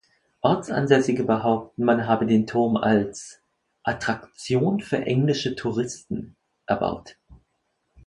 Ortsansässige behaupten, man habe den Turm als "Attraktion für englische Touristen" erbaut.